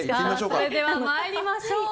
それでは、参りましょう。